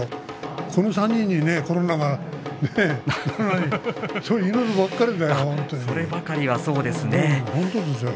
この３人にコロナが祈るばかりだよ。